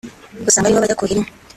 usanga ari ho bajya kuhira inka